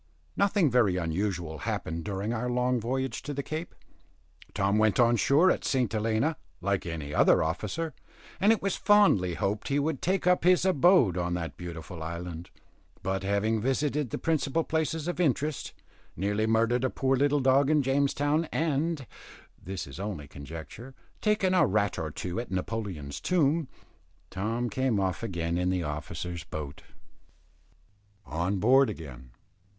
Nothing very unusual happened during our long voyage to the Cape. Tom went on shore at St. Helena, like any other officer, and it was fondly hoped he would take up his abode on that beautiful island. But having visited the principal places of interest, nearly murdered a poor little dog in James Town, and this is only conjecture taken a rat or two at Napoleon's tomb, Tom came off again in the officers' boat. ON BOARD AGAIN.